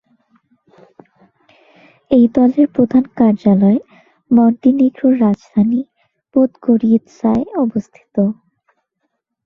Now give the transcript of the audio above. এই দলের প্রধান কার্যালয় মন্টিনিগ্রোর রাজধানী পোদগোরিৎসায় অবস্থিত।